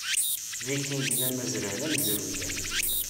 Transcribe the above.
Vikings d amazrar amezruyan.